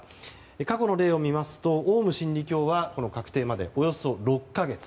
過去の例を見ますとオウム真理教は確定までおよそ６か月。